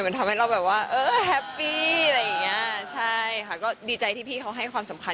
มันทำให้เราแบบว่าเออแฮปปี้